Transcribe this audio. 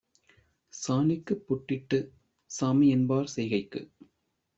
சாணிக்குப் பொட்டிட்டுச் சாமிஎன்பார் செய்கைக்கு